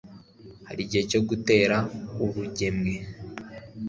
hari igihe cyo gutera urugemwe